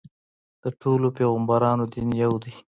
د ټولو پیغمبرانو دین یو دی.